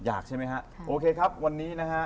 ใช่ไหมฮะโอเคครับวันนี้นะฮะ